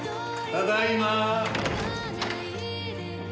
ただいま！